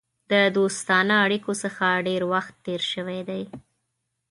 د دوستانه اړېکو څخه ډېر وخت تېر شوی دی.